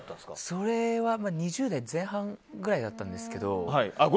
それは２０代前半くらいだったんですけど。